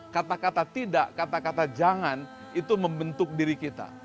kata kata tidak kata kata jangan itu membentuk diri kita